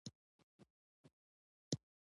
باران د افغانستان د جغرافیې یوه ښه بېلګه ده.